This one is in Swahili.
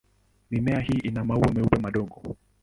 Mimea hii ina maua meupe madogo.